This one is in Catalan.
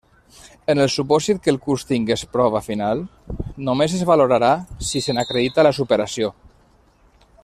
En el supòsit que el curs tingués prova final, només es valorarà si se n'acredita la superació.